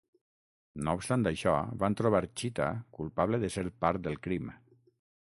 No obstant això, van trobar Chita culpable de ser part del crim.